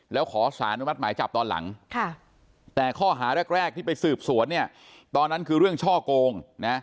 แล้วขอสารอนุมัติหมายจับตอนหลังแต่ข้อหาแรกที่ไปสืบสวนเนี่ยตอนนั้นคือเรื่องช่อโกงนะ